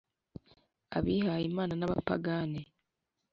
abihaye lmana n'abapagane